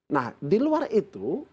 nah di luar itu